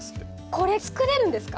これ作れるんですか？